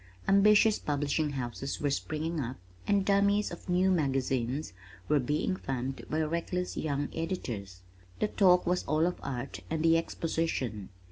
Ambitious publishing houses were springing up and "dummies" of new magazines were being thumbed by reckless young editors. The talk was all of Art, and the Exposition.